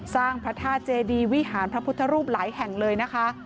สร้างพระธาตุเจดีวิหารพระพุทธรูปหลายแห่งเลยนะคะ